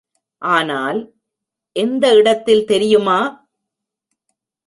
ஆனால், எந்த இடத்தில் தெரியுமா?